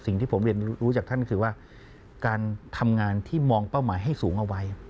สิ่งที่ผมเรียนรู้จากท่านคือว่าการทำงานที่มองเป้าหมายให้สูงเอาไว้